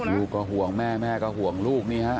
ลูกก็ห่วงแม่แม่ก็ห่วงลูกนี่ฮะ